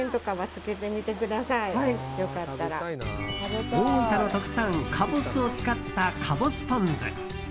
大分の特産、かぼすを使ったかぼすポン酢。